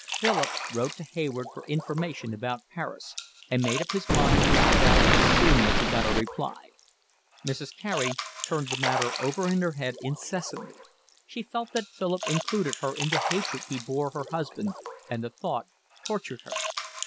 Philip wrote to Hayward for information about Paris, and made up his mind to set out as soon as he got a reply. Mrs. Carey turned the matter over in her mind incessantly; she felt that Philip included her in the hatred he bore her husband, and the thought tortured her.